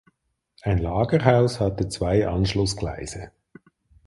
Ein Lagerhaus hatte zwei Anschlussgleise.